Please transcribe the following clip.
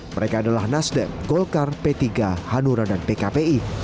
mereka adalah nasdem golkar p tiga hanura dan pkpi